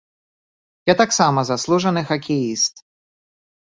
Я таксама заслужаны хакеіст.